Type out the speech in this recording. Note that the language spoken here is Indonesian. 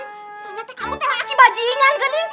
ternyata kamu telah lagi bajingan geling